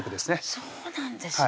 そうなんですね